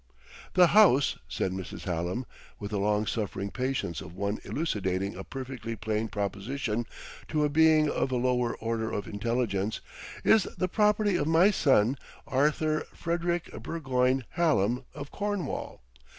"The house," said Mrs. Hallam, with the long suffering patience of one elucidating a perfectly plain proposition to a being of a lower order of intelligence, "is the property of my son, Arthur Frederick Burgoyne Hallam, of Cornwall.